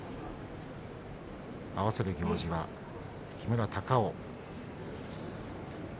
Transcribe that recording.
合わせる行司は木村隆男。